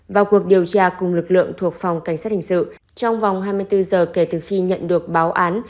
vào cuộc điều tra cùng lực lượng thuộc phòng cảnh sát hình sự trong vòng hai mươi bốn giờ kể từ khi nhận được báo án